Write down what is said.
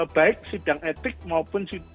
baik sidang etik maupun